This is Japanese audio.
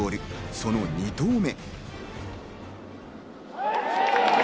その２投目。